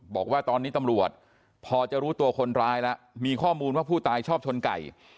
บอกว่าตอนนี้ตำรวจพอจะรู้ตัวคนร้ายแล้วมีข้อมูลว่าผู้ตายชอบชนไก่